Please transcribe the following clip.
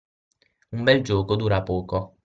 Un bel gioco dura poco.